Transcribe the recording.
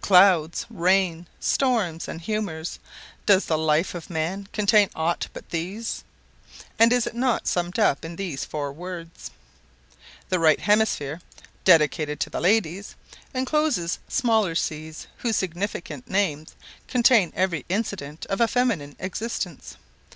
Clouds, rain, storms, and humors—does the life of man contain aught but these? and is it not summed up in these four words? The right hemisphere, "dedicated to the ladies," encloses smaller seas, whose significant names contain every incident of a feminine existence.